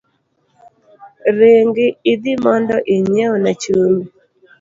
Ringi idhi mondo inyiewna chumbi.